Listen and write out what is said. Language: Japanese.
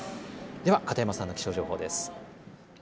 では片山さんの気象情報です。